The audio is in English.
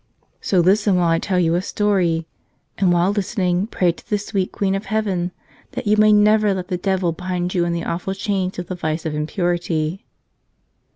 So listen while I tell you a story; and while listening, pray to the sweet Queen of Heaven that you may never let the devil bind you in the awful chains of the vice of impurity.